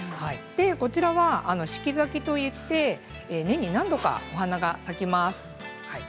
こちらは四季咲きといって年に何度かお花が咲きます。